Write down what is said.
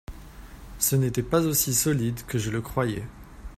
Ce n’était pas aussi solide que je le croyais.